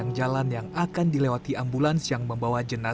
penghormatan terakhir diberikan puluhan tenaga medis